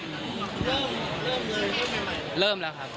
อยู่ในช่วงลงเสาเข็มอะไรอย่างนี้ครับ